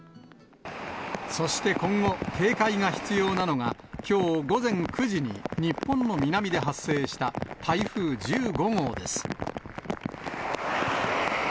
そして今後、警戒が必要なのがきょう午前９時に日本の南で発生した台風１５号です。